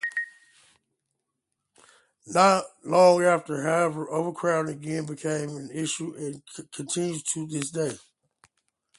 Not long after, however, overcrowding again became an issue and continues to this day.